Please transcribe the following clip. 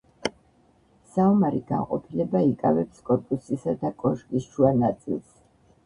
საომარი განყოფილება იკავებს კორპუსისა და კოშკის შუა ნაწილს.